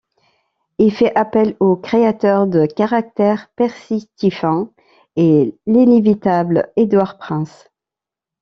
Il fait appel au créateur de caractères Percy Tiffin et l'inévitable Edward Prince.